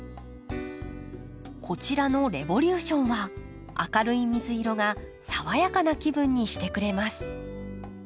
こちらのレボリューションは明るい水色が爽やかな気分にしてくれます。